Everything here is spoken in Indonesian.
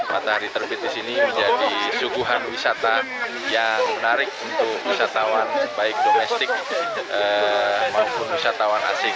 matahari terbit di sini menjadi suguhan wisata yang menarik untuk wisatawan baik domestik maupun wisatawan asing